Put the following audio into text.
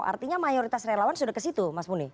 artinya mayoritas relawan sudah kesitu mas muni